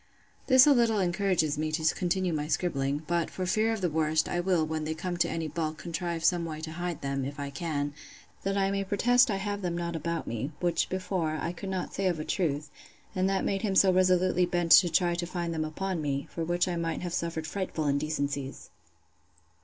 This a little encourages me to continue my scribbling; but, for fear of the worst, I will, when they come to any bulk, contrive some way to hide them, if I can, that I may protest I have them not about me, which, before, I could not say of a truth; and that made him so resolutely bent to try to find them upon me; for which I might have suffered frightful indecencies.